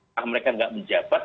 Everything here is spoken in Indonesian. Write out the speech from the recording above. apakah mereka tidak menjabat